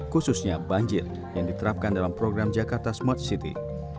khususnya banjir yang diterapkan dalam program jakarta smart city